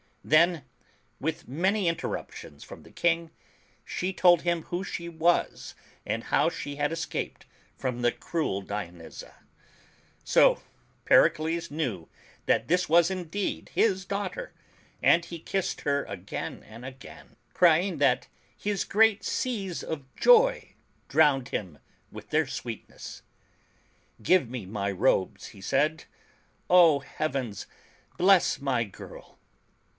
Then, with many interruptions from the King, she told him who she was and how she had escaped from the cruel Dionyza. So Per icles knew that this was indeed his daughter, and he kissed her again and again, crying that his great seas of joy drowned him with their sweetness. "Give me my robes," he said: 0 Heavens, bless my girl